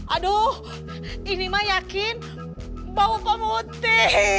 aduh ini mah yakin bau pemuti